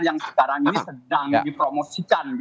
yang sekarang ini sedang dipromosikan